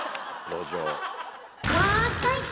路上。